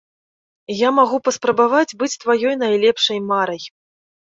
Я магу паспрабаваць быць тваёй найлепшай марай.